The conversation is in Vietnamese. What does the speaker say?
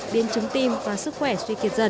biên chứng tim và sức khỏe suy kiệt dần